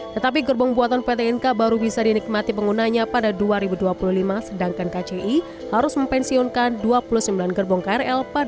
tetapi gerbong buatan pt inka baru bisa dinikmati penggunanya pada dua ribu dua puluh lima sedangkan kci harus mempensionkan dua puluh sembilan gerbong krl pada dua ribu dua puluh empat